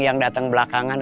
yang datang belakangan